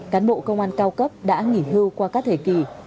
cán bộ công an cao cấp đã nghỉ hưu qua các thời kỳ